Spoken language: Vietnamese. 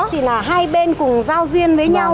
thì là hai bên cùng giao duyên với nhau